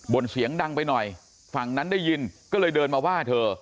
่นเสียงดังไปหน่อยฝั่งนั้นได้ยินก็เลยเดินมาว่าเธอ